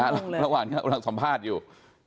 ระหว่างนี้เราสัมภาษณ์อยู่